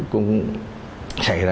cũng xảy ra